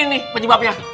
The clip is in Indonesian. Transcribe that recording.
ini nih penyebabnya